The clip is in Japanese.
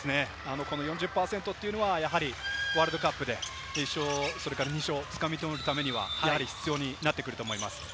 ４０％はワールドカップで１勝、２勝をつかみ取るために必要になってくると思います。